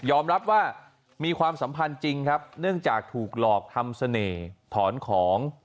รับว่ามีความสัมพันธ์จริงครับเนื่องจากถูกหลอกทำเสน่ห์ถอนของ